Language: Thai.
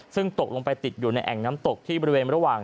ซึ่งตกลงไปติดอยู่ในแอ่งน้ำตกที่บริเวณระหว่าง